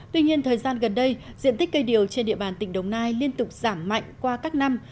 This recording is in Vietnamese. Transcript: tuy nhiên thời gian gần đây diện tích cây điều trên địa bàn tỉnh đồng nai liên tục giảm mạnh qua các năm